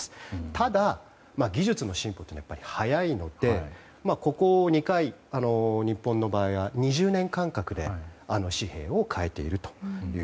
ただ、技術の進歩って早いのでここ２回日本の場合は２０年間隔で紙幣を変えています。